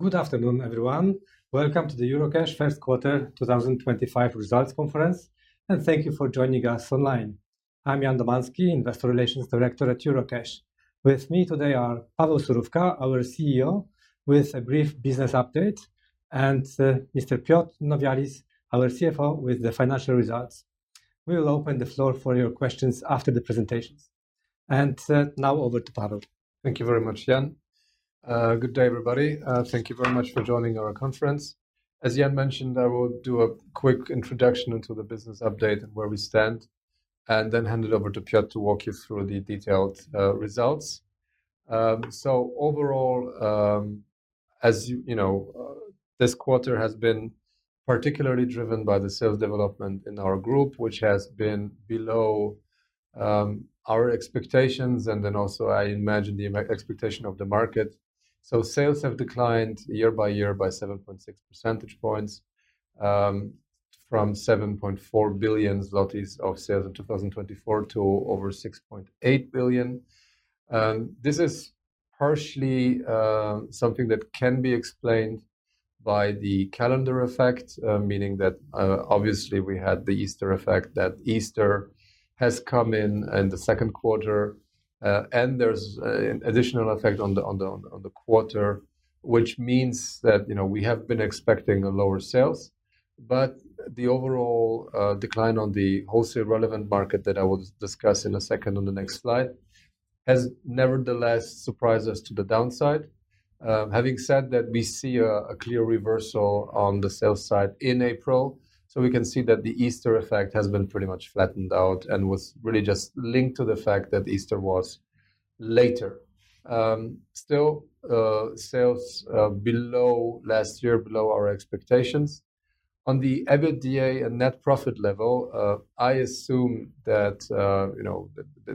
Good afternoon, everyone. Welcome to the Eurocash First Quarter 2025 Results Conference, and thank you for joining us online. I'm Jan Domanski, Investor Relations Director at Eurocash. With me today are Paweł Surówka, our CEO, with a brief business update, and Mr. Piotr Nowjalis, our CFO, with the financial results. We will open the floor for your questions after the presentations. Now, over to Paweł. Thank you very much, Jan. Good day, everybody. Thank you very much for joining our conference. As Jan mentioned, I will do a quick introduction into the business update and where we stand, and then hand it over to Piotr to walk you through the detailed results. Overall, as you know, this quarter has been particularly driven by the sales development in our group, which has been below our expectations, and then also I imagine the expectation of the market. Sales have declined year by year by 7.6 percentage points, from 7.4 billion zlotys of sales in 2024 to over 6.8 billion. This is partially something that can be explained by the calendar effect, meaning that obviously we had the Easter effect, that Easter has come in in the second quarter, and there is an additional effect on the quarter, which means that we have been expecting lower sales. The overall decline on the wholesale relevant market that I will discuss in a second on the next slide has nevertheless surprised us to the downside. Having said that, we see a clear reversal on the sales side in April, so we can see that the Easter effect has been pretty much flattened out and was really just linked to the fact that Easter was later. Still, sales below last year, below our expectations. On the EBITDA and net profit level, I assume that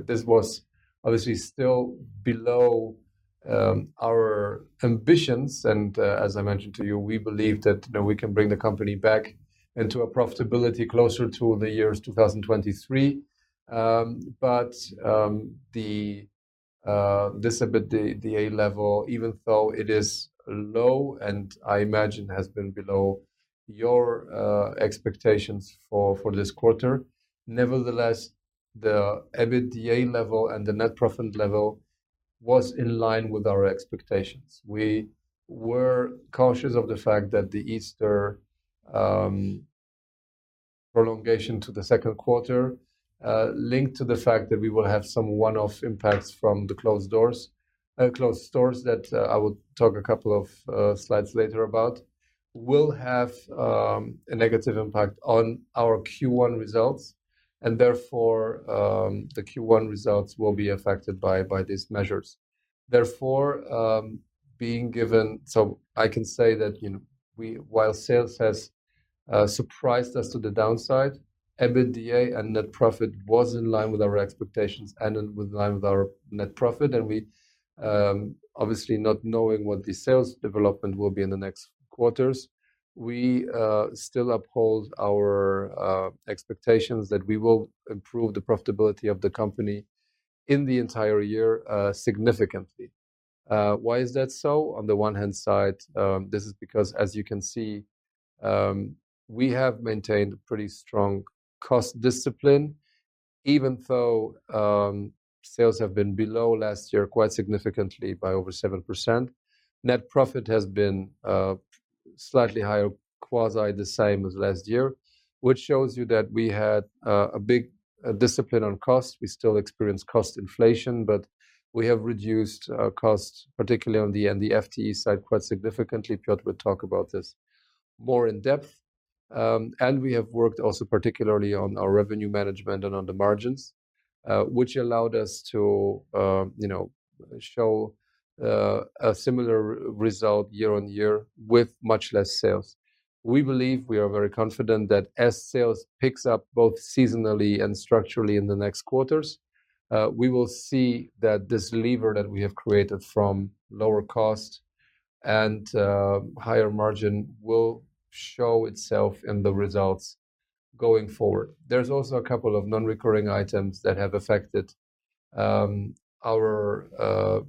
this was obviously still below our ambitions. As I mentioned to you, we believe that we can bring the company back into a profitability closer to the years 2023. The EBITDA level, even though it is low and I imagine has been below your expectations for this quarter, nevertheless, the EBITDA level and the net profit level was in line with our expectations. We were cautious of the fact that the Easter prolongation to the second quarter, linked to the fact that we will have some one-off impacts from the closed doors that I will talk a couple of slides later about, will have a negative impact on our Q1 results, and therefore the Q1 results will be affected by these measures. Therefore, being given, I can say that while sales has surprised us to the downside, EBITDA and net profit was in line with our expectations and in line with our net profit. We, obviously not knowing what the sales development will be in the next quarters, still uphold our expectations that we will improve the profitability of the company in the entire year significantly. Why is that so? On the one hand side, this is because, as you can see, we have maintained a pretty strong cost discipline, even though sales have been below last year quite significantly by over 7%. Net profit has been slightly higher, quasi the same as last year, which shows you that we had a big discipline on costs. We still experience cost inflation, but we have reduced costs, particularly on the FTE side quite significantly. Piotr will talk about this more in depth. We have worked also particularly on our revenue management and on the margins, which allowed us to show a similar result year-on-year with much less sales. We believe we are very confident that as sales pick up both seasonally and structurally in the next quarters, we will see that this lever that we have created from lower cost and higher margin will show itself in the results going forward. There are also a couple of non-recurring items that have affected our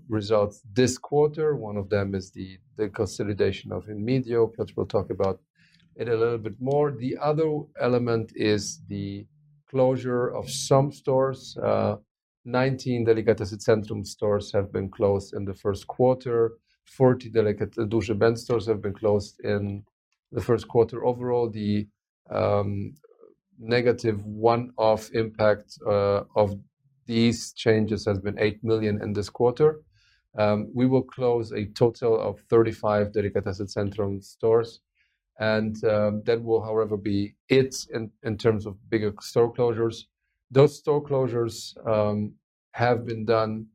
results this quarter. One of them is the consolidation of Inmedio. Piotr will talk about it a little bit more. The other element is the closure of some stores. 19 Delikatesy Centrum stores have been closed in the first quarter. 40 Duży Ben stores have been closed in the first quarter. Overall, the negative one-off impact of these changes has been 8 million in this quarter. We will close a total of 35 Delikatesy Centrum stores. That will, however, be it in terms of bigger store closures. Those store closures have been done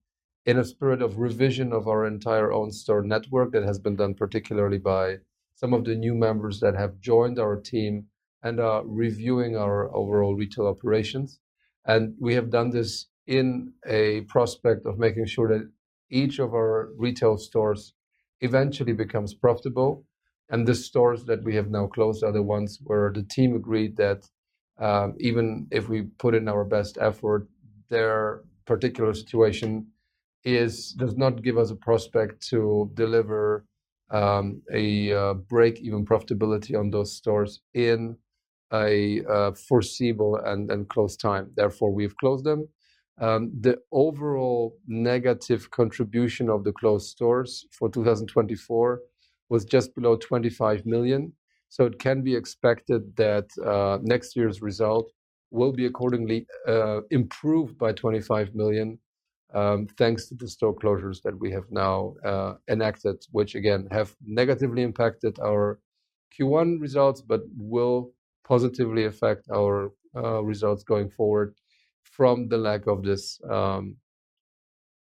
in a spirit of revision of our entire own store network that has been done particularly by some of the new members that have joined our team and are reviewing our overall retail operations. We have done this in a prospect of making sure that each of our retail stores eventually becomes profitable. The stores that we have now closed are the ones where the team agreed that even if we put in our best effort, their particular situation does not give us a prospect to deliver a break-even profitability on those stores in a foreseeable and close time. Therefore, we have closed them. The overall negative contribution of the closed stores for 2024 was just below 25 million. It can be expected that next year's result will be accordingly improved by 25 million thanks to the store closures that we have now enacted, which again have negatively impacted our Q1 results, but will positively affect our results going forward from the lack of this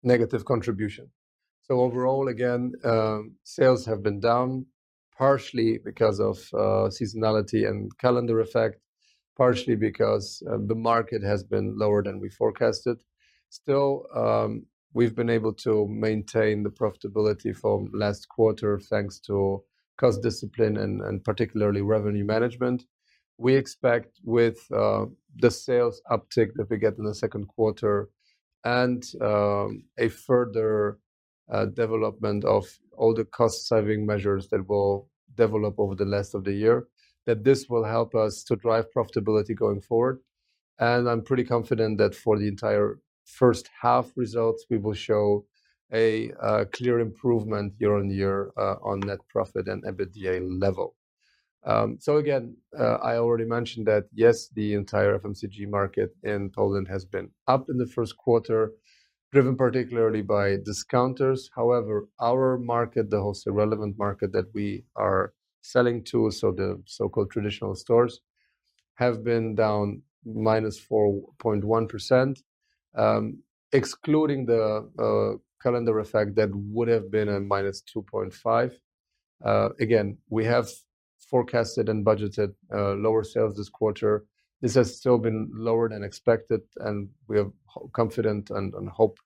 negative contribution. Overall, again, sales have been down partially because of seasonality and calendar effect, partially because the market has been lower than we forecasted. Still, we've been able to maintain the profitability from last quarter thanks to cost discipline and particularly revenue management. We expect with the sales uptick that we get in the second quarter and a further development of all the cost-saving measures that will develop over the last of the year, that this will help us to drive profitability going forward. I'm pretty confident that for the entire first half results, we will show a clear improvement year-on-year on net profit and EBITDA level. I already mentioned that yes, the entire FMCG market in Poland has been up in the first quarter, driven particularly by discounters. However, our market, the wholesale relevant market that we are selling to, so the so-called traditional stores, have been down -4.1%, excluding the calendar effect that would have been a -2.5%. We have forecasted and budgeted lower sales this quarter. This has still been lower than expected, and we are confident and hope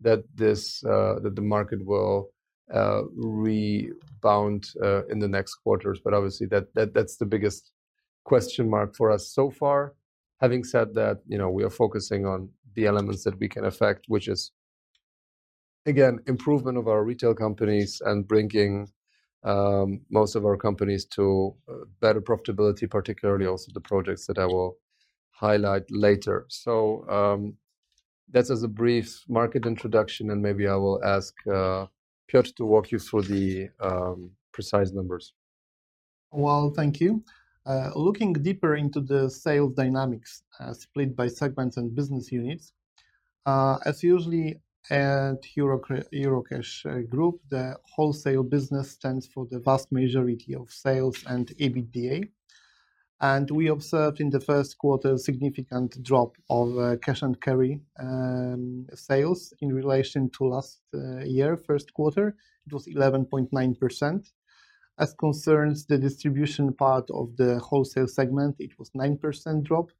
that the market will rebound in the next quarters. Obviously, that's the biggest question mark for us so far. Having said that, we are focusing on the elements that we can affect, which is, again, improvement of our retail companies and bringing most of our companies to better profitability, particularly also the projects that I will highlight later. That is a brief market introduction, and maybe I will ask Piotr to walk you through the precise numbers. Thank you. Looking deeper into the sales dynamics split by segments and business units, as usually at Eurocash Group, the wholesale business stands for the vast majority of sales and EBITDA. We observed in the first quarter a significant drop of cash and carry sales in relation to last year, first quarter. It was 11.9%. As concerns the distribution part of the wholesale segment, it was a 9% drop.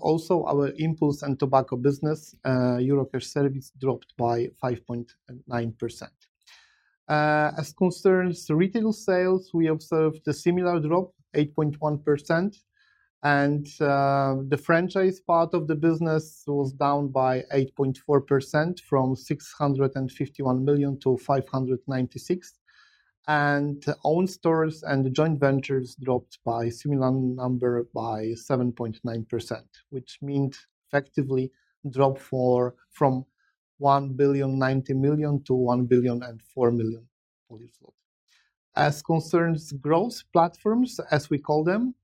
Also, our impulse and tobacco business, Eurocash service, dropped by 5.9%. As concerns retail sales, we observed a similar drop, 8.1%. The franchise part of the business was down by 8.4% from 651 million to 596 million. Owned stores and joint ventures dropped by a similar number, by 7.9%, which means effectively a drop from 1,090 million to 1,004 million. As concerns growth platforms, as we call them,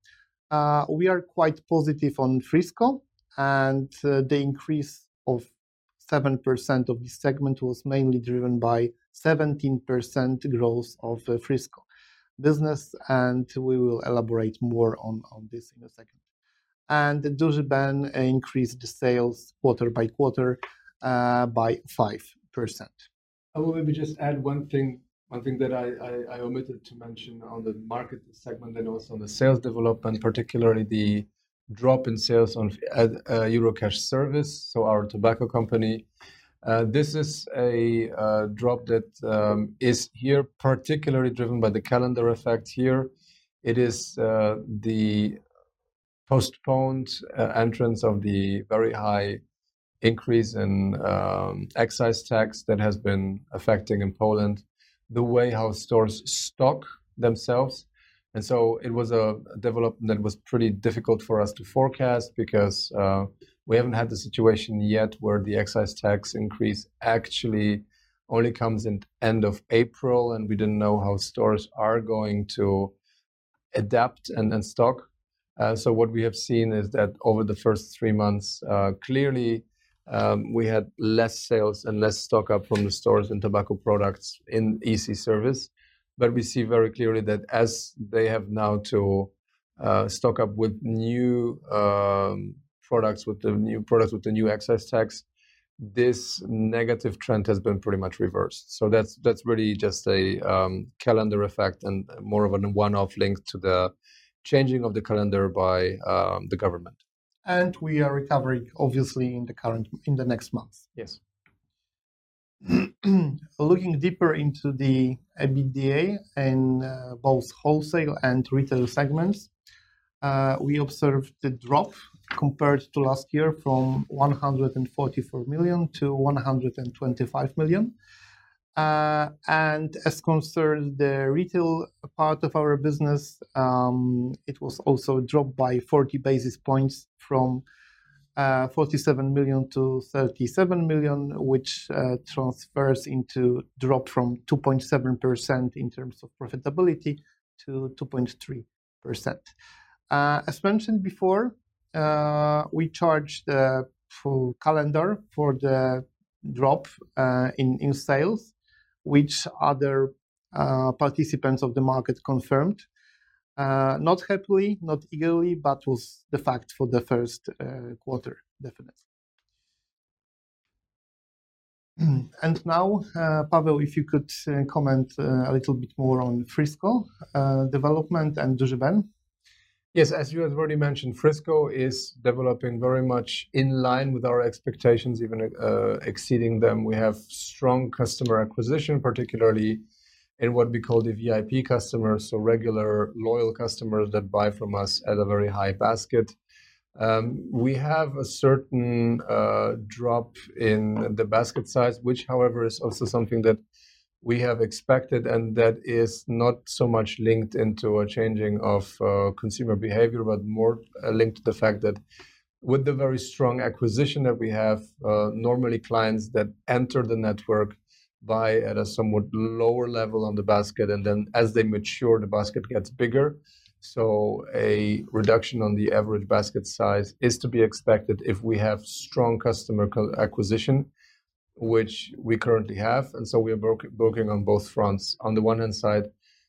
we are quite positive on Frisco, and the increase of 7% of the segment was mainly driven by 17% growth of Frisco business. We will elaborate more on this in a second. Duży Ben increased the sales quarter by quarter by 5%. I will maybe just add one thing, one thing that I omitted to mention on the market segment and also on the sales development, particularly the drop in sales on Eurocash service, so our tobacco company. This is a drop that is here particularly driven by the calendar effect here. It is the postponed entrance of the very high increase in excise tax that has been affecting in Poland the way how stores stock themselves. It was a development that was pretty difficult for us to forecast because we have not had the situation yet where the excise tax increase actually only comes in the end of April, and we did not know how stores are going to adapt and stock. What we have seen is that over the first three months, clearly we had less sales and less stock up from the stores and tobacco products in EC service. But we see very clearly that as they have now to stock up with new products with the new excise tax, this negative trend has been pretty much reversed. That is really just a calendar effect and more of a one-off link to the changing of the calendar by the government. We are recovering, obviously, in the next month. Yes. Looking deeper into the EBITDA in both wholesale and retail segments, we observed a drop compared to last year from 144 million to 125 million. As concerns the retail part of our business, it was also a drop by 40 basis points from 47 million to 37 million, which transfers into a drop from 2.7% in terms of profitability to 2.3%. As mentioned before, we charged the calendar for the drop in sales, which other participants of the market confirmed. Not happily, not eagerly, but it was the fact for the first quarter, definitely. Pawel, if you could comment a little bit more on Frisco development and Duży Ben. Yes, as you had already mentioned, Frisco is developing very much in line with our expectations, even exceeding them. We have strong customer acquisition, particularly in what we call the VIP customers, so regular loyal customers that buy from us at a very high basket. We have a certain drop in the basket size, which, however, is also something that we have expected and that is not so much linked into a changing of consumer behavior, but more linked to the fact that with the very strong acquisition that we have, normally clients that enter the network buy at a somewhat lower level on the basket, and then as they mature, the basket gets bigger. A reduction on the average basket size is to be expected if we have strong customer acquisition, which we currently have. We are broking on both fronts. On the one hand side,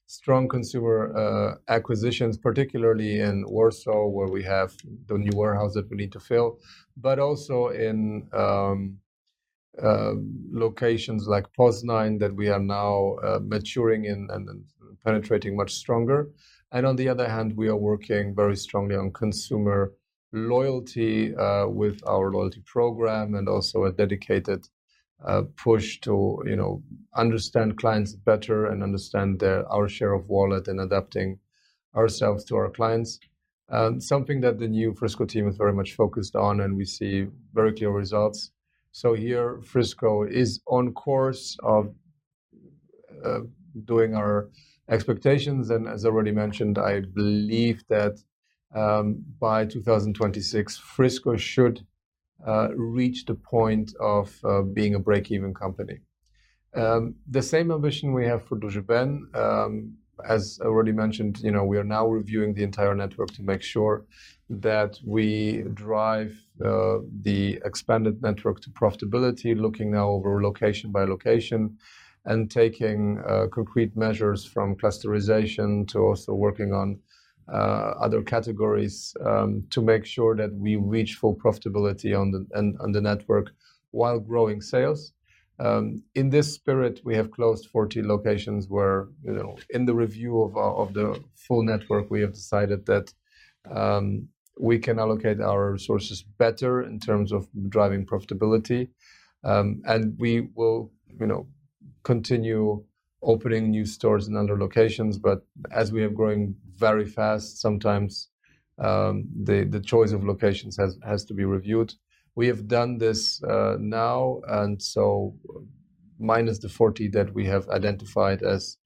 strong consumer acquisitions, particularly in Warsaw, where we have the new warehouse that we need to fill, but also in locations like Poznań that we are now maturing in and penetrating much stronger. On the other hand, we are working very strongly on consumer loyalty with our loyalty program and also a dedicated push to understand clients better and understand our share of wallet and adapting ourselves to our clients. Something that the new Frisco team is very much focused on, and we see very clear results. Here, Frisco is on course of doing our expectations. As already mentioned, I believe that by 2026, Frisco should reach the point of being a break-even company. The same ambition we have for Duży Ben. As already mentioned, we are now reviewing the entire network to make sure that we drive the expanded network to profitability, looking now over location by location and taking concrete measures from clusterization to also working on other categories to make sure that we reach full profitability on the network while growing sales. In this spirit, we have closed 40 locations where in the review of the full network, we have decided that we can allocate our resources better in terms of driving profitability. We will continue opening new stores in other locations, but as we are growing very fast, sometimes the choice of locations has to be reviewed. We have done this now, and so minus the 40 that we have identified as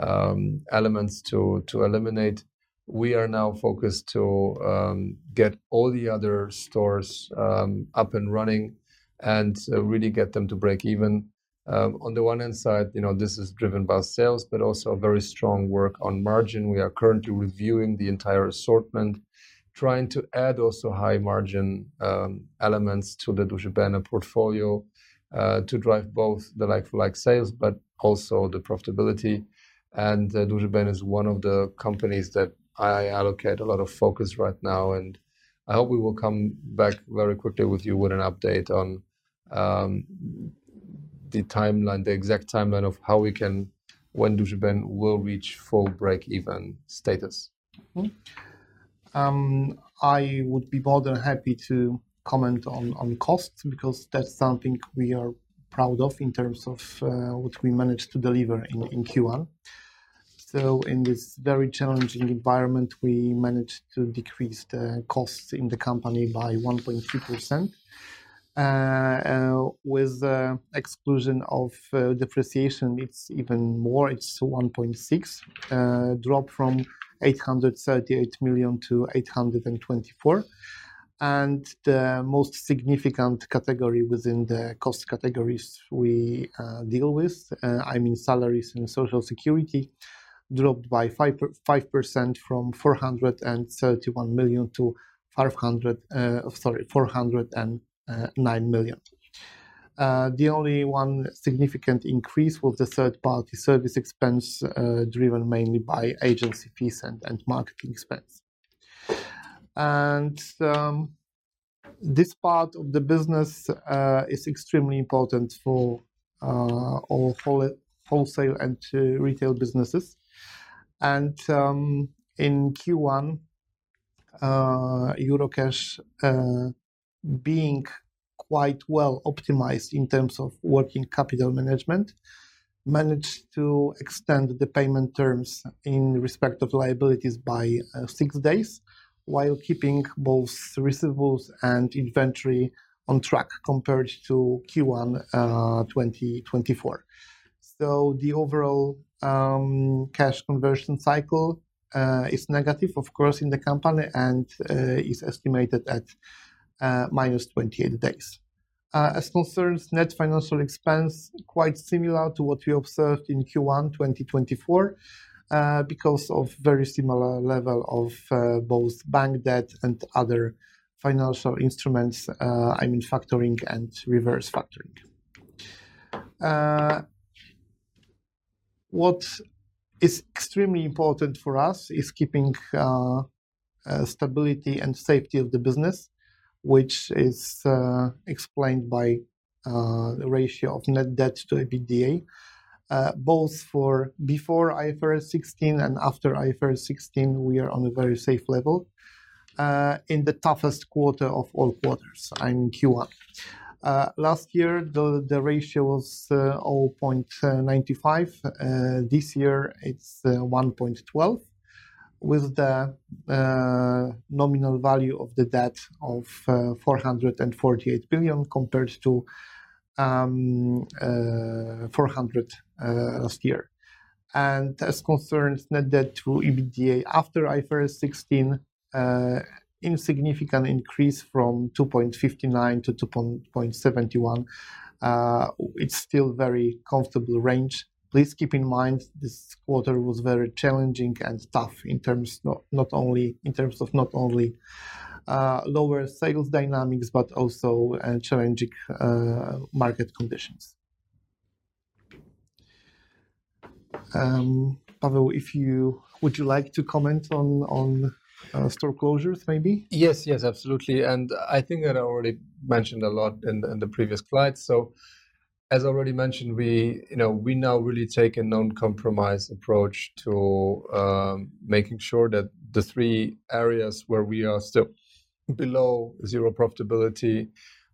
elements to eliminate, we are now focused to get all the other stores up and running and really get them to break even. On the one hand side, this is driven by sales, but also very strong work on margin. We are currently reviewing the entire assortment, trying to add also high margin elements to the Duży Ben portfolio to drive both the like-for-like sales, but also the profitability. Duży Ben is one of the companies that I allocate a lot of focus right now, and I hope we will come back very quickly with you with an update on the exact timeline of how we can, when Duży Ben will reach full break-even status. I would be more than happy to comment on cost because that's something we are proud of in terms of what we managed to deliver in Q1. In this very challenging environment, we managed to decrease the costs in the company by 1.2%. With the exclusion of depreciation, it's even more. It's 1.6%, dropped from 838 million to 824 million. The most significant category within the cost categories we deal with, I mean salaries and social security, dropped by 5% from 431 million to 409 million. The only one significant increase was the third-party service expense driven mainly by agency fees and marketing expense. This part of the business is extremely important for all wholesale and retail businesses. In Q1, Eurocash, being quite well optimized in terms of working capital management, managed to extend the payment terms in respect of liabilities by six days while keeping both receivables and inventory on track compared to Q1 2024. The overall cash conversion cycle is negative, of course, in the company and is estimated at -28 days. As concerns net financial expense, quite similar to what we observed in Q1 2024 because of very similar level of both bank debt and other financial instruments, I mean factoring and reverse factoring. What is extremely important for us is keeping stability and safety of the business, which is explained by the ratio of net debt to EBITDA. Both before IFRS 16 and after IFRS 16, we are on a very safe level in the toughest quarter of all quarters, I mean Q1. Last year, the ratio was 0.95. This year, it's 1.12 with the nominal value of the debt of 448 billion compared to 400 billion last year. As concerns net debt to EBITDA after IFRS 16, insignificant increase from 2.59 to 2.71. It's still a very comfortable range. Please keep in mind this quarter was very challenging and tough in terms of not only lower sales dynamics, but also challenging market conditions. Paweł, would you like to comment on store closures maybe? Yes, yes, absolutely. I think I already mentioned a lot in the previous slides. As already mentioned, we now really take a non-compromise approach to making sure that the three areas where we are still below zero profitability,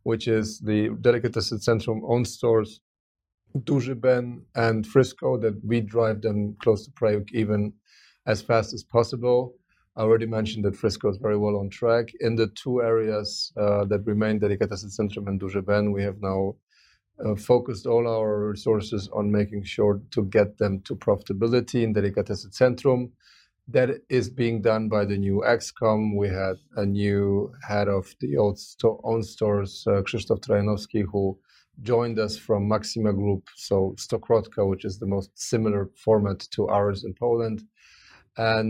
which is the Delikatesy Centrum owned stores, Duży Ben, and Frisco, that we drive them close to break even as fast as possible. I already mentioned that Frisco is very well on track. In the two areas that remain, Delikatesy Centrum and Duży Ben, we have now focused all our resources on making sure to get them to profitability. In Delikatesy Centrum, that is being done by the new excom. We had a new head of the owned stores, Krzysztof Trojanowski, who joined us from Maxima Group, so Stokrotka, which is the most similar format to ours in Poland. A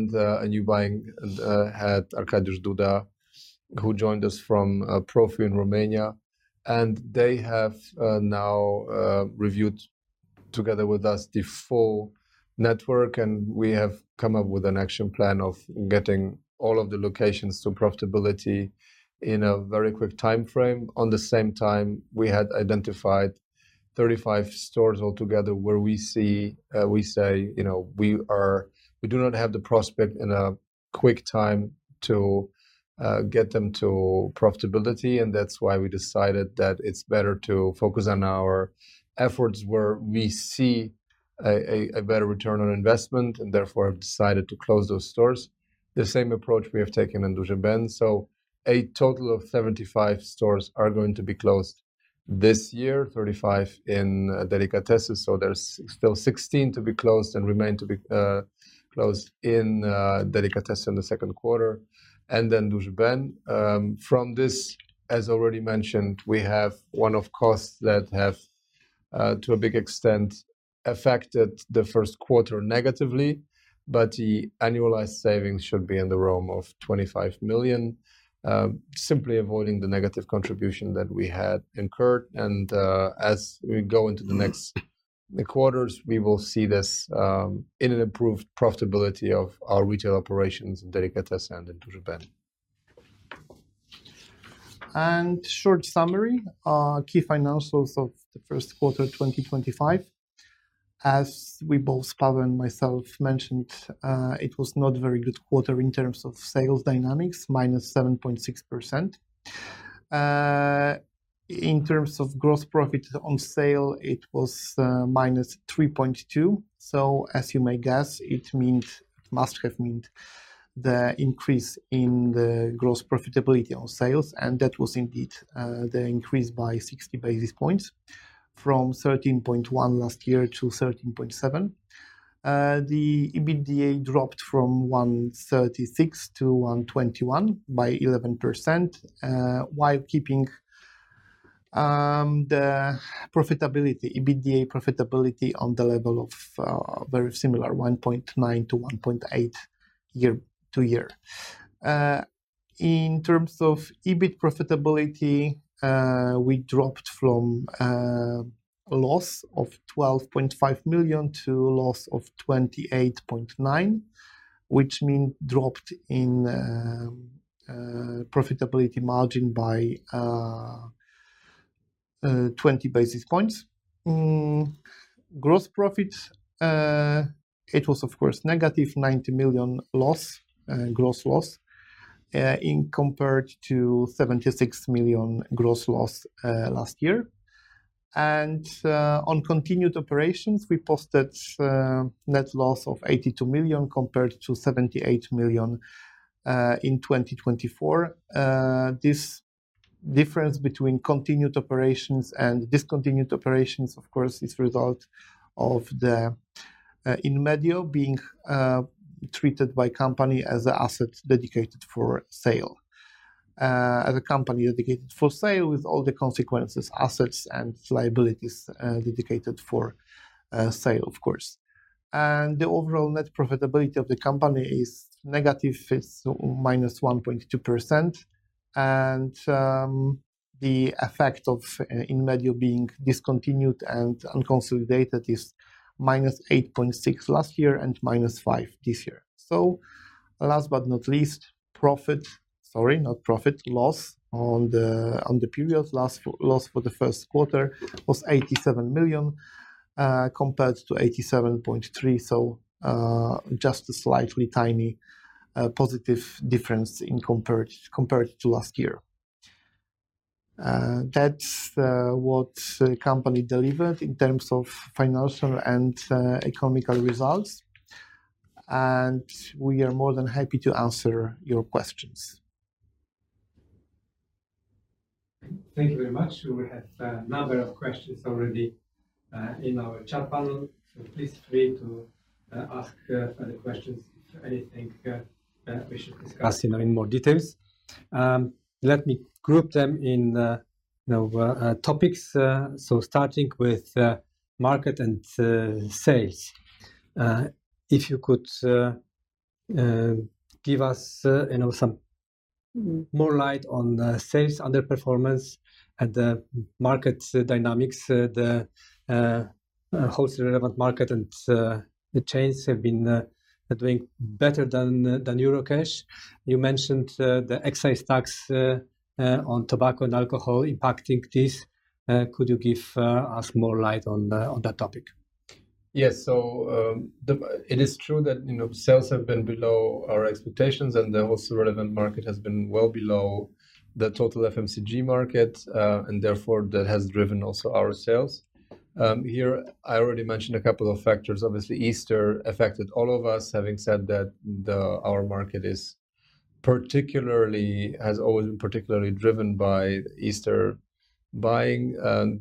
new buying head, Arkadiusz Duda, who joined us from Profi in Romania, has now reviewed together with us the full network, and we have come up with an action plan of getting all of the locations to profitability in a very quick time frame. At the same time, we had identified 35 stores altogether where we say we do not have the prospect in a quick time to get them to profitability, and that is why we decided that it is better to focus our efforts where we see a better return on investment, and therefore have decided to close those stores. The same approach we have taken in Duży Ben. A total of 75 stores are going to be closed this year, 35 in Delikatesy. There are still 16 to be closed and remain to be closed in Delikatesy in the second quarter. Duży Ben. From this, as already mentioned, we have one-off costs that have to a big extent affected the first quarter negatively, but the annualized savings should be in the realm of 25 million, simply avoiding the negative contribution that we had incurred. As we go into the next quarters, we will see this in an improved profitability of our retail operations in Delikatesy and in Duży Ben. A short summary, key financials of the first quarter 2025. As we both, Paweł and myself, mentioned, it was not a very good quarter in terms of sales dynamics -7.6%. In terms of gross profit on sale, it was -3.2. As you may guess, it must have meant the increase in the gross profitability on sales, and that was indeed the increase by 60 basis points from 13.1 last year to 13.7. The EBITDA dropped from 136 million to 121 million by 11%, while keeping the EBITDA profitability on the level of very similar 1.9% to 1.8% year-to-year. In terms of EBIT profitability, we dropped from a loss of 12.5 million to a loss of 28.9 million, which means dropped in profitability margin by 20 basis points. Gross profit, it was of course -90 million loss, gross loss compared to 76 million gross loss last year. On continued operations, we posted net loss of 82 million compared to 78 million in 2024. This difference between continued operations and discontinued operations, of course, is a result of Inmedio being treated by the company as an asset dedicated for sale, as a company dedicated for sale with all the consequences, assets and liabilities dedicated for sale, of course. The overall net profitability of the company is negative, -1.2%. The effect of Inmedio being discontinued and unconsolidated is -8.6% last year and -5% this year. Last but not least, loss on the period, loss for the first quarter was 87 million compared to 87.3 million, so just a slightly tiny positive difference compared to last year. That is what the company delivered in terms of financial and economical results. We are more than happy to answer your questions. Thank you very much. We have a number of questions already in our chat panel, so please feel free to ask further questions if anything we should discuss in more detail. Let me group them in topics. Starting with market and sales, if you could give us some more light on sales underperformance and the market dynamics, the wholesale relevant market and the chains have been doing better than Eurocash. You mentioned the excise tax on tobacco and alcohol impacting this. Could you give us more light on that topic? Yes, so it is true that sales have been below our expectations and the wholesale relevant market has been well below the total FMCG market, and therefore that has driven also our sales. Here, I already mentioned a couple of factors. Obviously, Easter affected all of us. Having said that, our market has always been particularly driven by Easter buying.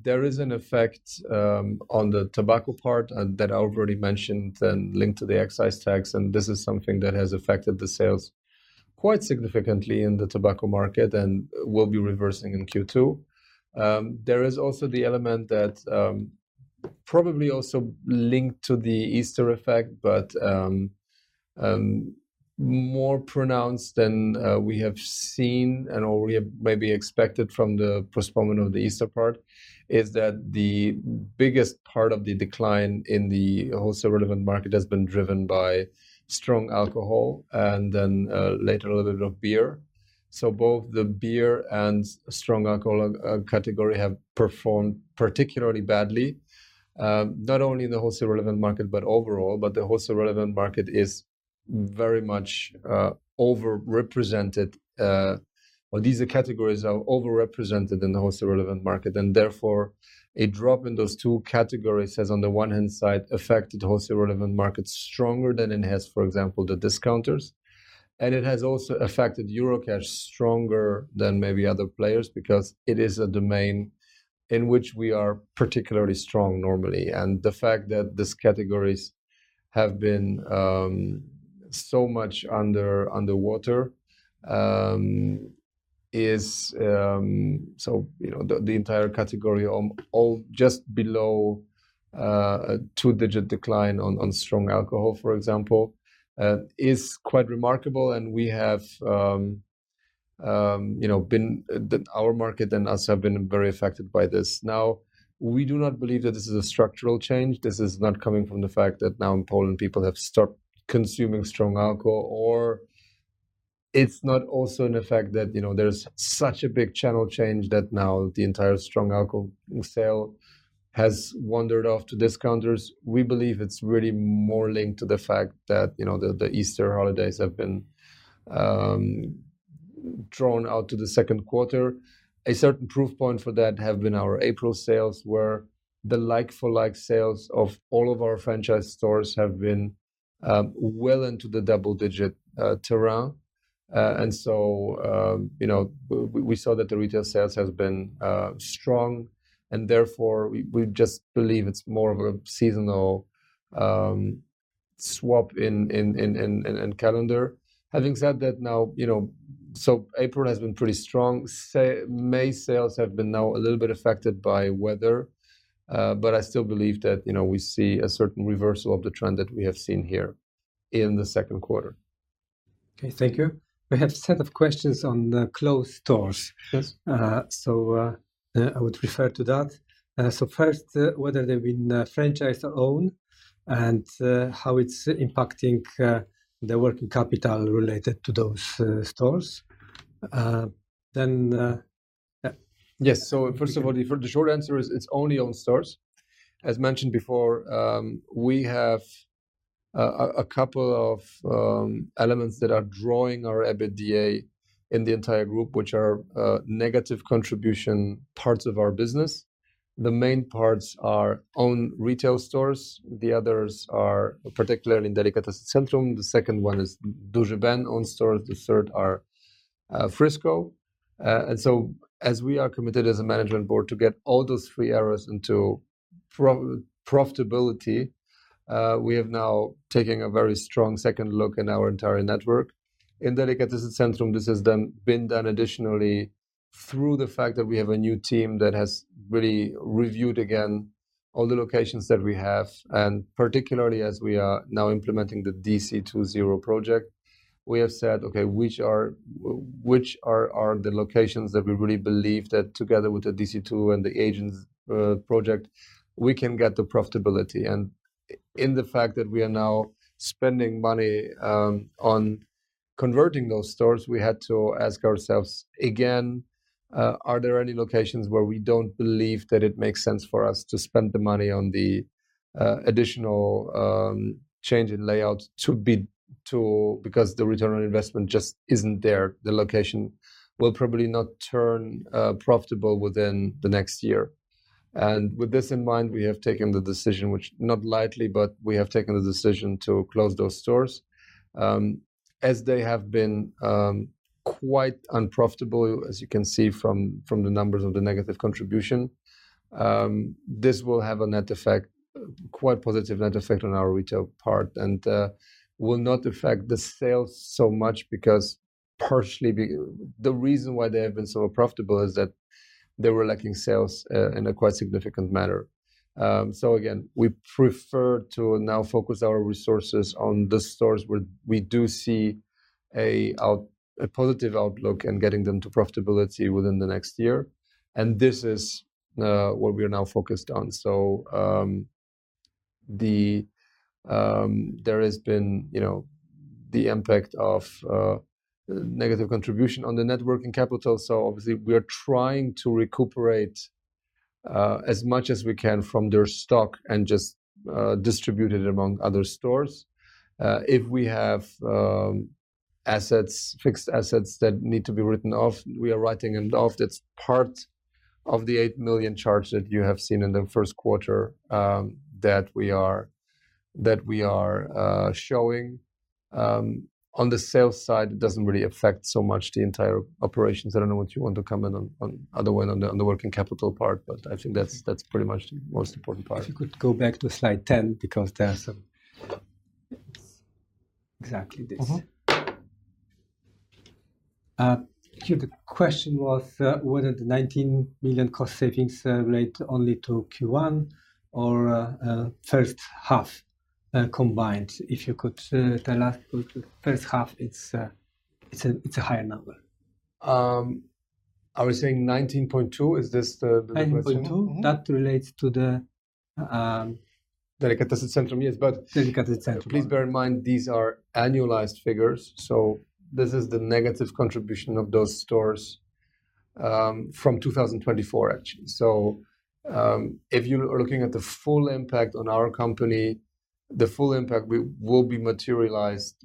There is an effect on the tobacco part that I already mentioned and linked to the excise tax, and this is something that has affected the sales quite significantly in the tobacco market and will be reversing in Q2. There is also the element that probably also linked to the Easter effect, but more pronounced than we have seen and already maybe expected from the postponement of the Easter part, is that the biggest part of the decline in the wholesale relevant market has been driven by strong alcohol and then later a little bit of beer. Both the beer and strong alcohol category have performed particularly badly, not only in the wholesale relevant market, but overall, but the wholesale relevant market is very much overrepresented. These categories are overrepresented in the wholesale relevant market, and therefore a drop in those two categories has on the one hand side affected the wholesale relevant market stronger than it has, for example, the discounters. It has also affected Eurocash stronger than maybe other players because it is a domain in which we are particularly strong normally. The fact that these categories have been so much underwater is, so the entire category just below a two-digit decline on strong alcohol, for example, is quite remarkable. We have been that our market and us have been very affected by this. Now, we do not believe that this is a structural change. This is not coming from the fact that now in Poland, people have stopped consuming strong alcohol, or it is not also in the fact that there is such a big channel change that now the entire strong alcohol sale has wandered off to discounters. We believe it is really more linked to the fact that the Easter holidays have been drawn out to the second quarter. A certain proof point for that has been our April sales, where the like-for-like sales of all of our franchise stores have been well into the double-digit terrain. We saw that the retail sales have been strong, and therefore we just believe it's more of a seasonal swap in calendar. Having said that, now, April has been pretty strong. May sales have been now a little bit affected by weather, but I still believe that we see a certain reversal of the trend that we have seen here in the second quarter. Okay, thank you. We have a set of questions on the closed stores. I would refer to that. First, whether they've been franchised or owned and how it's impacting the working capital related to those stores. Then, yeah. Yes, so first of all, the short answer is it's only owned stores. As mentioned before, we have a couple of elements that are drawing our EBITDA in the entire group, which are negative contribution parts of our business. The main parts are owned retail stores. The others are particularly in Delikatesy Centrum. The second one is Duży Ben owned stores. The third are Frisco. As we are committed as a management board to get all those three areas into profitability, we have now taken a very strong second look in our entire network. In Delikatesy Centrum, this has been done additionally through the fact that we have a new team that has really reviewed again all the locations that we have. Particularly as we are now implementing the DC2.0 project, we have said, okay, which are the locations that we really believe that together with the DC2 and the agents project, we can get the profitability. In the fact that we are now spending money on converting those stores, we had to ask ourselves again, are there any locations where we do not believe that it makes sense for us to spend the money on the additional change in layout because the return on investment just is not there. The location will probably not turn profitable within the next year. With this in mind, we have taken the decision, not lightly, but we have taken the decision to close those stores. As they have been quite unprofitable, as you can see from the numbers of the negative contribution, this will have a net effect, quite positive net effect on our retail part and will not affect the sales so much because partially the reason why they have been so unprofitable is that they were lacking sales in a quite significant manner. We prefer to now focus our resources on the stores where we do see a positive outlook and getting them to profitability within the next year. This is what we are now focused on. There has been the impact of negative contribution on the networking capital. Obviously, we are trying to recuperate as much as we can from their stock and just distribute it among other stores. If we have assets, fixed assets that need to be written off, we are writing them off. That's part of the 8 million charge that you have seen in the first quarter that we are showing. On the sales side, it doesn't really affect so much the entire operations. I don't know what you want to comment on otherwise on the working capital part, but I think that's pretty much the most important part. If you could go back to slide 10 because there's exactly this. Here, the question was whether the 19 million cost savings relate only to Q1 or first half combined. If you could tell us first half, it's a higher number. I was saying 19.2. Is this the question? 19.2, that relates to the. Delikatesy Centrum, yes, but please bear in mind these are annualized figures. So this is the negative contribution of those stores from 2024, actually. So if you are looking at the full impact on our company, the full impact will be materialized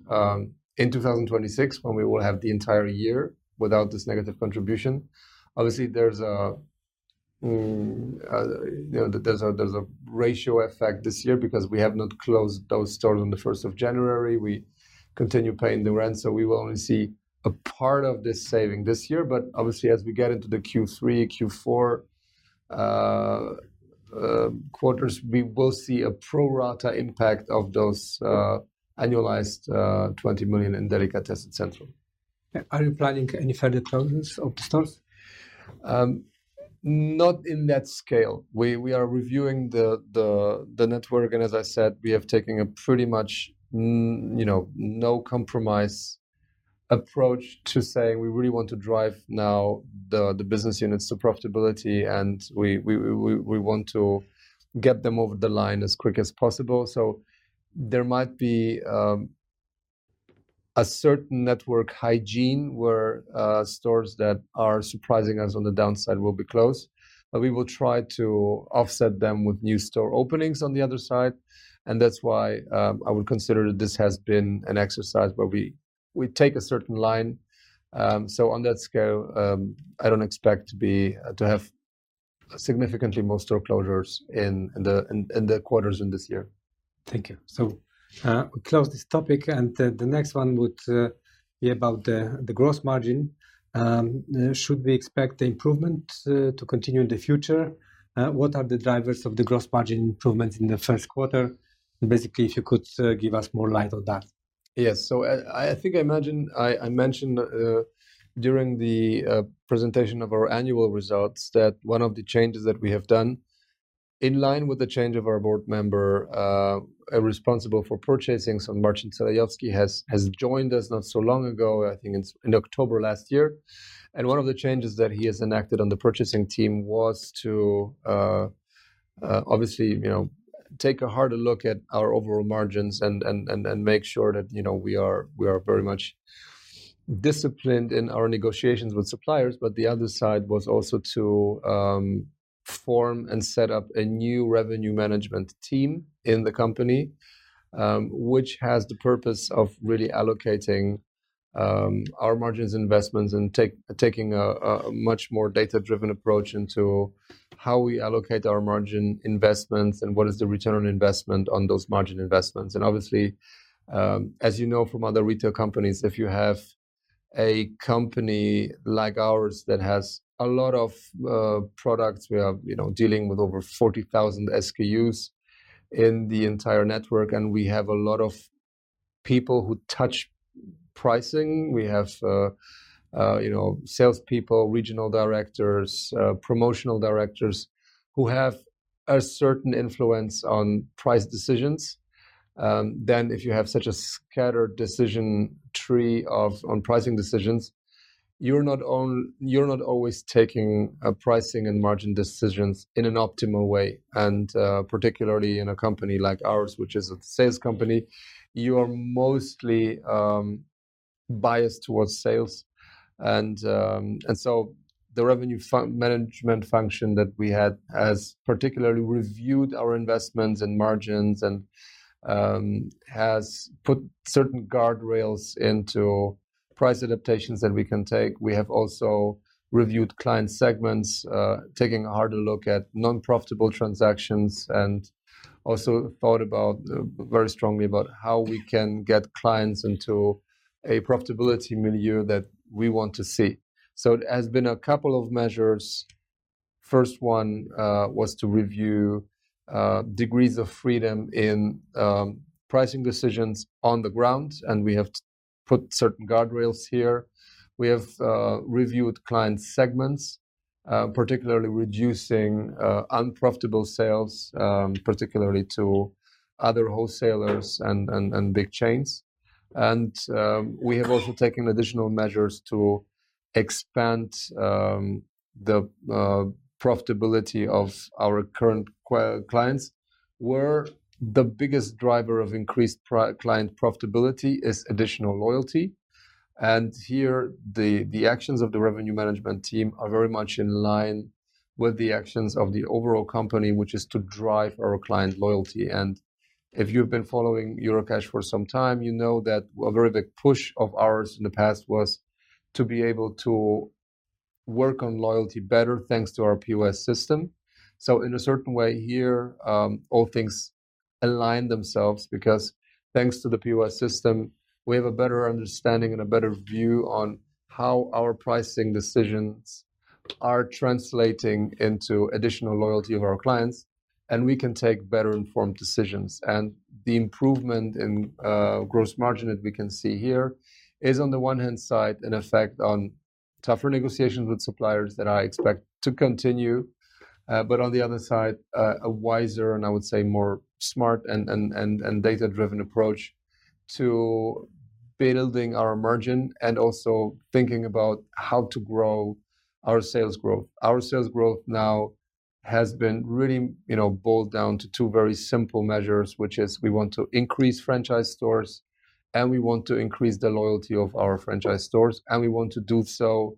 in 2026 when we will have the entire year without this negative contribution. Obviously, there is a ratio effect this year because we have not closed those stores on the 1st of January. We continue paying the rent, so we will only see a part of this saving this year. Obviously, as we get into the Q3, Q4 quarters, we will see a pro rata impact of those annualized 20 million in Delikatesy Centrum. Are you planning any further closes of the stores? Not in that scale. We are reviewing the network, and as I said, we have taken a pretty much no compromise approach to saying we really want to drive now the business units to profitability, and we want to get them over the line as quick as possible. There might be a certain network hygiene where stores that are surprising us on the downside will be closed, but we will try to offset them with new store openings on the other side. That is why I would consider that this has been an exercise where we take a certain line. On that scale, I do not expect to have significantly more store closures in the quarters in this year. Thank you. We'll close this topic, and the next one would be about the gross margin. Should we expect the improvement to continue in the future? What are the drivers of the gross margin improvement in the first quarter? Basically, if you could give us more light on that. Yes, I think I mentioned during the presentation of our annual results that one of the changes that we have done in line with the change of our board member responsible for purchasing, so Marcin Celejowski, has joined us not so long ago, I think in October last year. One of the changes that he has enacted on the purchasing team was to obviously take a harder look at our overall margins and make sure that we are very much disciplined in our negotiations with suppliers. The other side was also to form and set up a new revenue management team in the company, which has the purpose of really allocating our margin investments and taking a much more data-driven approach into how we allocate our margin investments and what is the return on investment on those margin investments. Obviously, as you know from other retail companies, if you have a company like ours that has a lot of products, we are dealing with over 40,000 SKUs in the entire network, and we have a lot of people who touch pricing. We have salespeople, regional directors, promotional directors who have a certain influence on price decisions. If you have such a scattered decision tree on pricing decisions, you're not always taking pricing and margin decisions in an optimal way. Particularly in a company like ours, which is a sales company, you are mostly biased towards sales. The revenue management function that we had has particularly reviewed our investments and margins and has put certain guardrails into price adaptations that we can take. We have also reviewed client segments, taking a harder look at non-profitable transactions and also thought very strongly about how we can get clients into a profitability milieu that we want to see. It has been a couple of measures. The first one was to review degrees of freedom in pricing decisions on the ground, and we have put certain guardrails here. We have reviewed client segments, particularly reducing unprofitable sales, particularly to other wholesalers and big chains. We have also taken additional measures to expand the profitability of our current clients, where the biggest driver of increased client profitability is additional loyalty. Here, the actions of the revenue management team are very much in line with the actions of the overall company, which is to drive our client loyalty. If you have been following Eurocash for some time, you know that a very big push of ours in the past was to be able to work on loyalty better thanks to our POS system. In a certain way here, all things align themselves because thanks to the POS system, we have a better understanding and a better view on how our pricing decisions are translating into additional loyalty of our clients, and we can take better informed decisions. The improvement in gross margin that we can see here is on the one hand side an effect of tougher negotiations with suppliers that I expect to continue, but on the other side, a wiser and I would say more smart and data-driven approach to building our margin and also thinking about how to grow our sales growth. Our sales growth now has been really boiled down to two very simple measures, which is we want to increase franchise stores and we want to increase the loyalty of our franchise stores, and we want to do so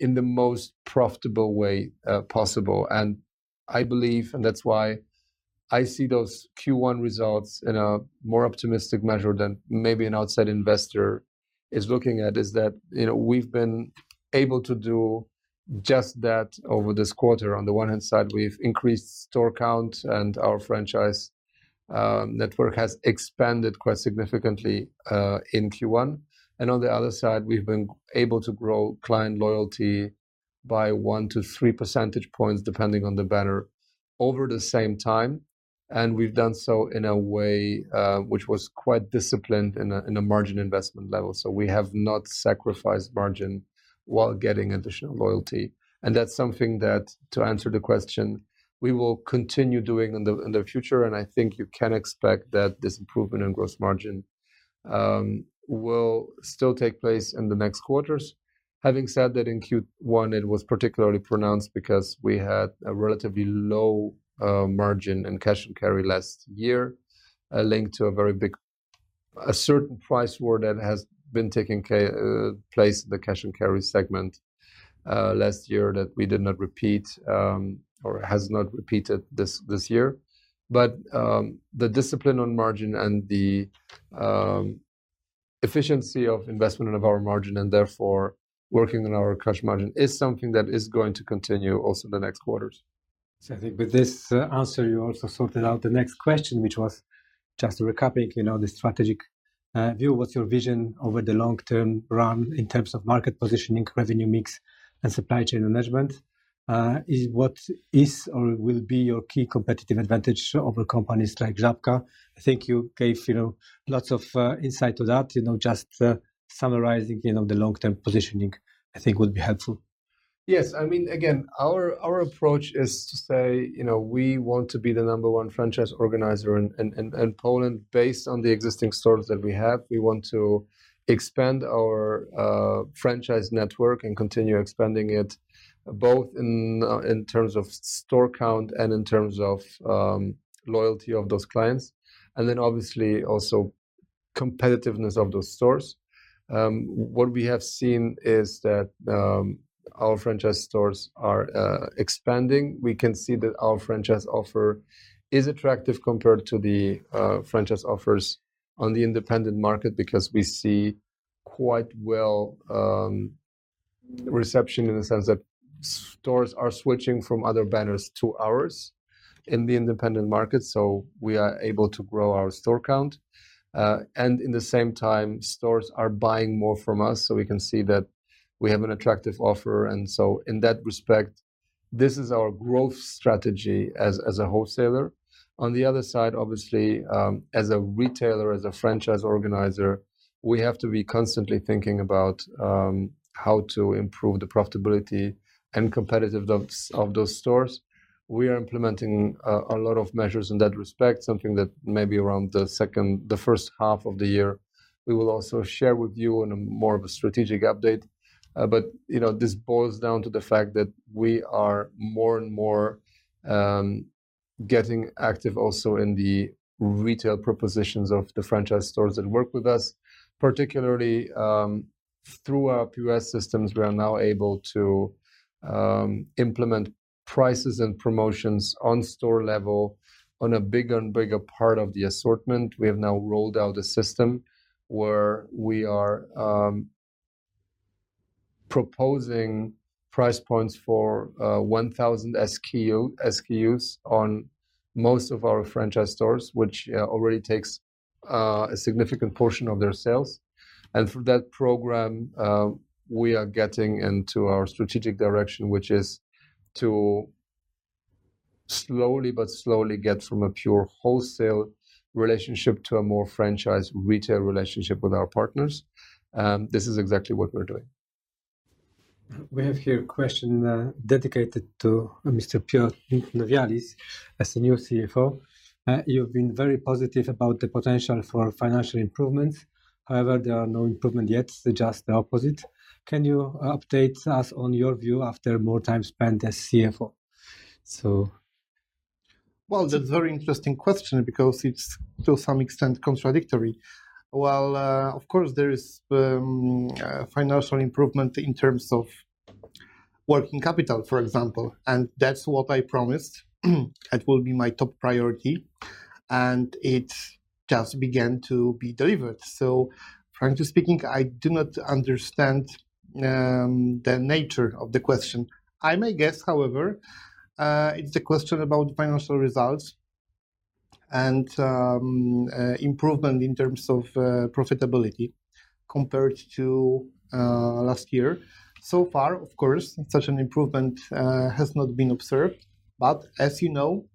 in the most profitable way possible. I believe, and that's why I see those Q1 results in a more optimistic measure than maybe an outside investor is looking at, is that we've been able to do just that over this quarter. On the one hand side, we've increased store count and our franchise network has expanded quite significantly in Q1. On the other side, we've been able to grow client loyalty by one to three percentage points depending on the banner over the same time. We've done so in a way which was quite disciplined in a margin investment level. We have not sacrificed margin while getting additional loyalty. That is something that, to answer the question, we will continue doing in the future. I think you can expect that this improvement in gross margin will still take place in the next quarters. Having said that, in Q1, it was particularly pronounced because we had a relatively low margin in cash and carry last year linked to a very big certain price war that has been taking place in the cash and carry segment last year that we did not repeat or has not repeated this year. The discipline on margin and the efficiency of investment of our margin and therefore working on our cash margin is something that is going to continue also in the next quarters. I think with this answer, you also sorted out the next question, which was just recapping the strategic view. What's your vision over the long-term run in terms of market positioning, revenue mix, and supply chain management? What is or will be your key competitive advantage over companies like Zabka? I think you gave lots of insight to that. Just summarizing the long-term positioning, I think would be helpful. Yes. I mean, again, our approach is to say we want to be the number one franchise organizer in Poland based on the existing stores that we have. We want to expand our franchise network and continue expanding it both in terms of store count and in terms of loyalty of those clients. Obviously, also competitiveness of those stores. What we have seen is that our franchise stores are expanding. We can see that our franchise offer is attractive compared to the franchise offers on the independent market because we see quite well reception in the sense that stores are switching from other banners to ours in the independent market. We are able to grow our store count. In the same time, stores are buying more from us. We can see that we have an attractive offer. In that respect, this is our growth strategy as a wholesaler. On the other side, obviously, as a retailer, as a franchise organizer, we have to be constantly thinking about how to improve the profitability and competitiveness of those stores. We are implementing a lot of measures in that respect, something that maybe around the first half of the year, we will also share with you in more of a strategic update. This boils down to the fact that we are more and more getting active also in the retail propositions of the franchise stores that work with us. Particularly through our POS systems, we are now able to implement prices and promotions on store level on a bigger and bigger part of the assortment. We have now rolled out a system where we are proposing price points for 1,000 SKUs on most of our franchise stores, which already takes a significant portion of their sales. Through that program, we are getting into our strategic direction, which is to slowly but slowly get from a pure wholesale relationship to a more franchise retail relationship with our partners. This is exactly what we're doing. We have here a question dedicated to Mr. Piotr Nowjalis. As the new CFO, you've been very positive about the potential for financial improvements. However, there are no improvements yet. They're just the opposite. Can you update us on your view after more time spent as CFO? That is a very interesting question because it is to some extent contradictory. Of course, there is financial improvement in terms of working capital, for example. That is what I promised. It will be my top priority. It just began to be delivered. Frankly speaking, I do not understand the nature of the question. I may guess, however, it is a question about financial results and improvement in terms of profitability compared to last year. So far, of course, such an improvement has not been observed. As you know,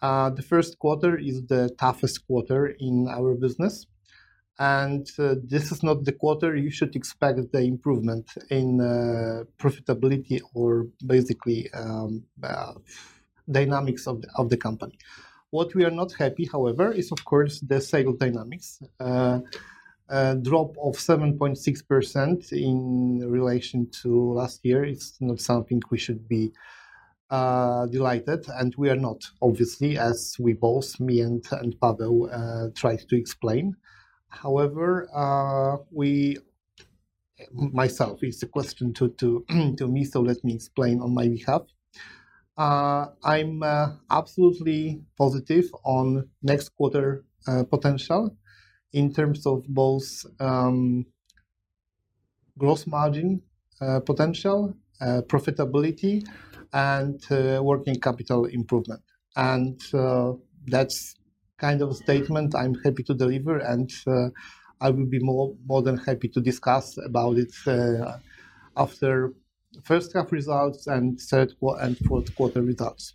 the first quarter is the toughest quarter in our business. This is not the quarter you should expect the improvement in profitability or basically dynamics of the company. What we are not happy, however, is, of course, the sales dynamics. Drop of 7.6% in relation to last year is not something we should be delighted at. We are not, obviously, as we both, me and Paweł, tried to explain. However, myself, it's a question to me, so let me explain on my behalf. I'm absolutely positive on next quarter potential in terms of both gross margin potential, profitability, and working capital improvement. That's kind of a statement I'm happy to deliver. I will be more than happy to discuss about it after first half results and third and fourth quarter results.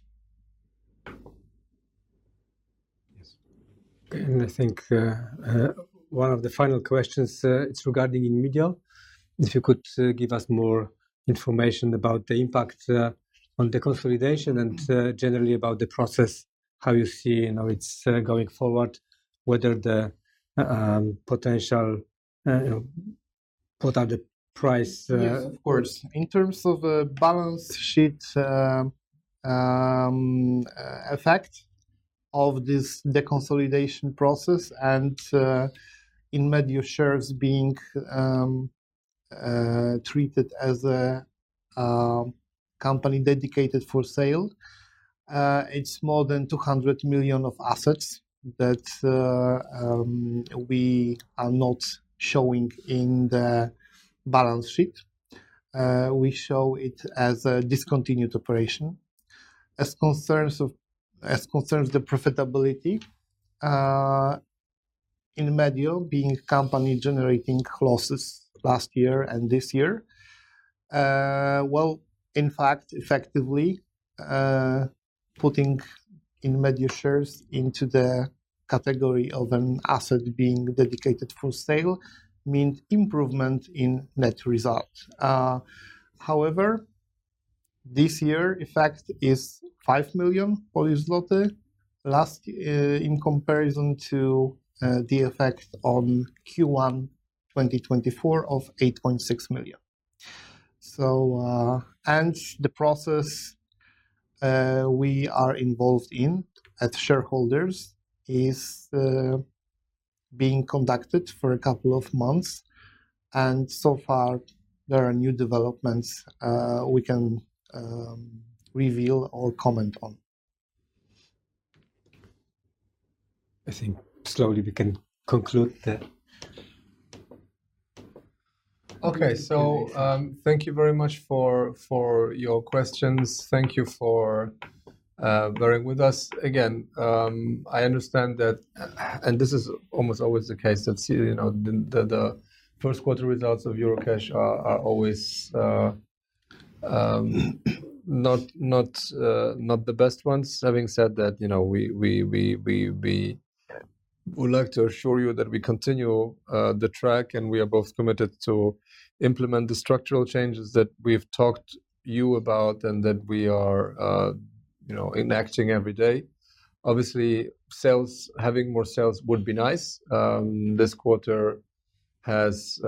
I think one of the final questions is regarding Inmedio. If you could give us more information about the impact on the consolidation and generally about the process, how you see it's going forward, whether the potential, what are the price. Yes, of course. In terms of balance sheet effect of this deconsolidation process and Inmedio shares being treated as a company dedicated for sale, it is more than 200 million of assets that we are not showing in the balance sheet. We show it as a discontinued operation. As concerns the profitability, Inmedio, being a company generating losses last year and this year, in fact, effectively putting Inmedio shares into the category of an asset being dedicated for sale means improvement in net result. However, this year, effect is 5 million Polish zloty in comparison to the effect on Q1 2024 of 8.6 million. The process we are involved in at shareholders is being conducted for a couple of months. So far, there are no new developments we can reveal or comment on. I think slowly we can conclude the. Okay. Thank you very much for your questions. Thank you for bearing with us. Again, I understand that, and this is almost always the case, the first quarter results of Eurocash are always not the best ones. Having said that, we would like to assure you that we continue the track and we are both committed to implement the structural changes that we've talked to you about and that we are enacting every day. Obviously, having more sales would be nice. This quarter has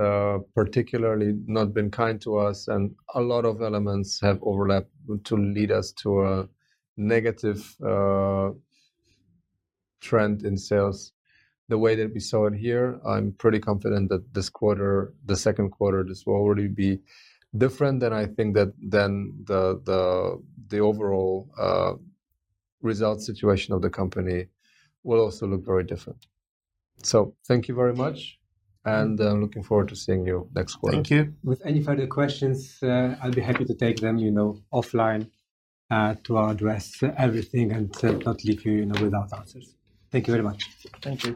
particularly not been kind to us and a lot of elements have overlapped to lead us to a negative trend in sales. The way that we saw it here, I'm pretty confident that this quarter, the second quarter, this will already be different. I think that then the overall result situation of the company will also look very different. Thank you very much. I'm looking forward to seeing you next quarter. Thank you. With any further questions, I'll be happy to take them offline to address everything and not leave you without answers. Thank you very much. Thank you.